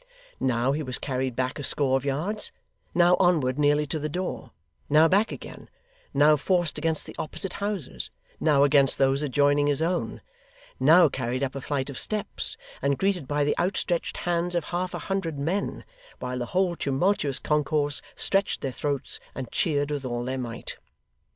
Now, he was carried back a score of yards, now onward nearly to the door, now back again, now forced against the opposite houses, now against those adjoining his own: now carried up a flight of steps, and greeted by the outstretched hands of half a hundred men, while the whole tumultuous concourse stretched their throats, and cheered with all their might.